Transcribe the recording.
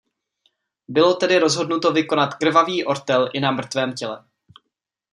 Bylo tedy rozhodnuto vykonat krvavý ortel i na mrtvém těle.